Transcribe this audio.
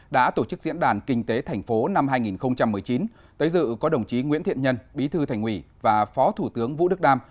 đã tổ chức diễn đàn kinh tế thành phố năm hai nghìn một mươi chín tới dự có đồng chí nguyễn thiện nhân bí thư thành ủy và phó thủ tướng vũ đức đam